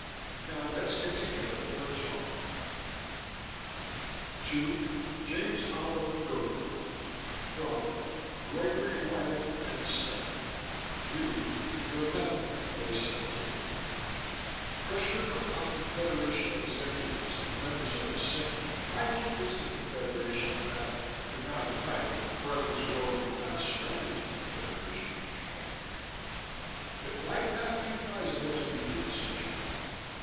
Now let's get together for a talk. TO: James Oliver Gogarty FROM: Gregory Whiting and staff RE: Your memo May 17 Pressure put on Confederation executives and members of the Senate might convince the Confederation that, without a fight, Fruyling's World would not surrender to Confederation control. It might not be advisable to begin such a fight.